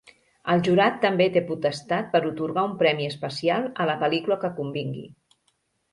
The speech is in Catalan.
El jurat també té potestat per atorgar un Premi Especial a la pel·lícula que convingui.